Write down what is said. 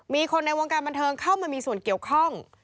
มีคนในวงการบันเทิงเข้ามามีส่วนเกี่ยวข้อง